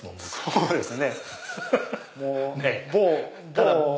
そうですね。